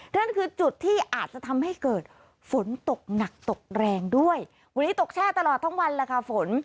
นั่นคือจุดที่อาจจะทำให้เกิดฝนตกหนักตกแรงด้วยวันนี้ตกแช่ตลอดทั้งวันแล้วค่ะฝน